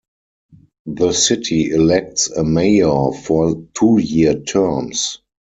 The city elects a mayor for two-year terms.